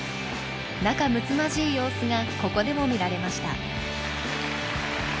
仲むつまじい様子がここでも見られました。